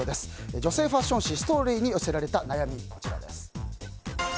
女性ファッション誌「ＳＴＯＲＹ」に寄せられた悩みです。